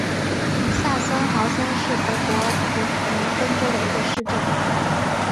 萨森豪森是德国图林根州的一个市镇。